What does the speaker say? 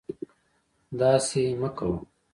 داسې مکوه